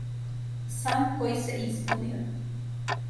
Сан који се испунио.